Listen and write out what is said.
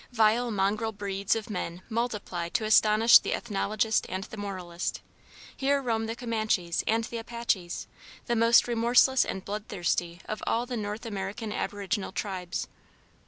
Vile mongrel breeds of men multiply to astonish the ethnologist and the moralist. Here roam the Comanches and the Apaches, the most remorseless and bloodthirsty of all the North American aboriginal tribes.